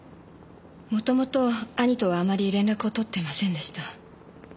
元々兄とはあまり連絡をとっていませんでした。